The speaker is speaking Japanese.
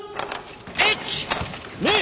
１・２。